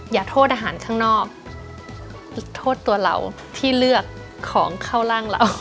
อย่าโทษอาหารข้างนอกโทษตัวเราที่เลือกของเข้าร่างเรา